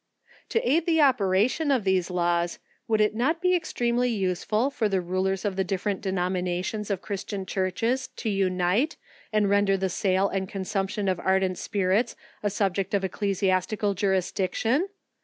To aid the operation of these laws, would it not be ex tremely useful for the rulers of the different denomina tions of christian churches to unite, and render the sale and consumption of ardent spirits, a subject of ecclesias tical jurisdiction